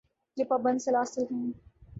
جو پابند سلاسل ہیں۔